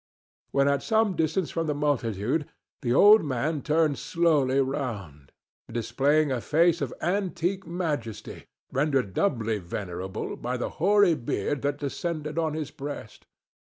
When at some distance from the multitude, the old man turned slowly round, displaying a face of antique majesty rendered doubly venerable by the hoary beard that descended on his breast.